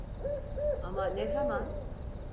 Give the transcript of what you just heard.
Ama ne zaman?